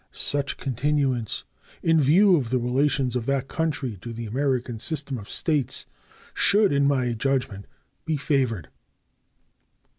Such continuance, in view of the relations of that country to the American system of States, should, in my judgment, be favored.